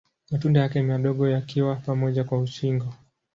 Matunda yake ni madogo yakiwa pamoja kwa shingo.